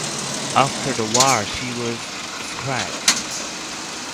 After the war she was scrapped.